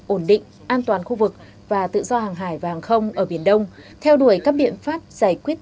ổn định an toàn khu vực và tự do hàng hải và hàng không ở biển đông theo đuổi các biện pháp giải quyết